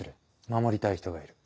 守りたい人がいる。